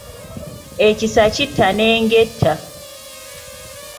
Ekisa kitta n’enge etta.